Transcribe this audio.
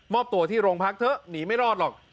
อบตัวที่โรงพักเถอะหนีไม่รอดหรอก